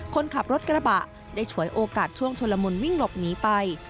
คนขับรถกระบะได้ฉวยโอกาสช่วงชุลมุนวิ่งหลบหนีไป